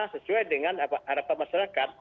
sesuai dengan harapan masyarakat